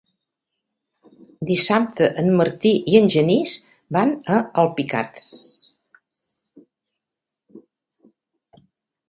Dissabte en Martí i en Genís van a Alpicat.